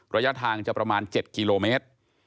ระยะทางจะประมาณ๗กิโลเมตร